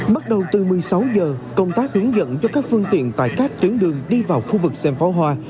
bắt đầu từ một mươi sáu giờ công tác hướng dẫn cho các phương tiện tại các tuyến đường đi vào khu vực xem pháo hoa